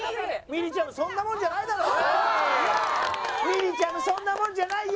りちゃむそんなもんじゃないよ！